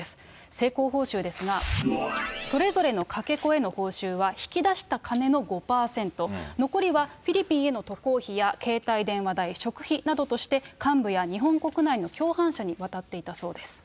成功報酬ですが、それぞれのかけ子への報酬は引き出した金の５％、残りはフィリピンへの渡航費や携帯電話代、食費などとして幹部や日本国内の共犯者に渡っていたそうです。